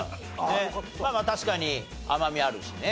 まあまあ確かに甘みあるしね。